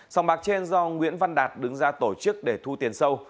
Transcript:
sòng bạc trên do nguyễn văn đạt đứng ra tổ chức để thu tiền sâu